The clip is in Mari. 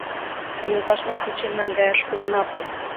— А йолташнам кучен наҥгаяш огына пу!